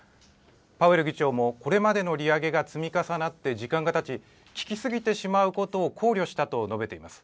パウエル議長も、これまでの利上げが積み重なって、時間がたち、効き過ぎてしまうことを考慮したと述べています。